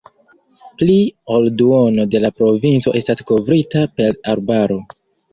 Pli ol duono de la provinco estas kovrita per arbaro.